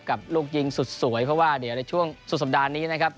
กับลูกยิงสุดสวยเพราะว่าเดี๋ยวในช่วงสุดสัปดาห์นี้นะครับ